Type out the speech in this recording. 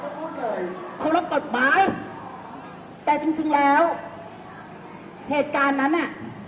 ก็พูดเลยควรจะปฏิบัติแต่จริงจริงแล้วเหตุการณ์นั้นอ่ะ